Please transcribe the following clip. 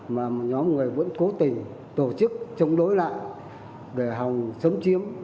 mà một nhóm người vẫn cố tình tổ chức chống đối lại để hòng sống chiếm